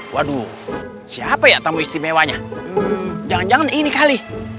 waduh siapa ya tamu istimewanya jangan jangan ini kali